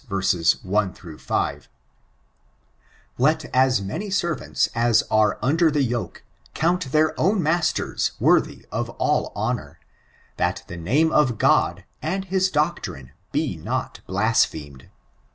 1 5 :Let as many aervanta aa are mader the yoke, count their own masters worthy of all honor, that the name of God, and his doctrine he not Uasphemed.